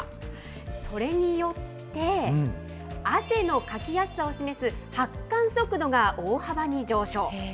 それによって、汗のかきやすさを示す発汗速度が大幅に上昇。